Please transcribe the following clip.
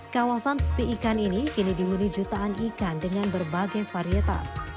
kawasan sepi ikan ini kini dihuni jutaan ikan dengan berbagai varietas